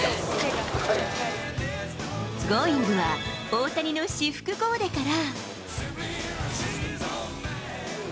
Ｇｏｉｎｇ！は大谷の私服コーデから。